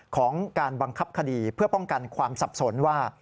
ของการบังคับคดีเพื่อป้องกันความสับสนว่า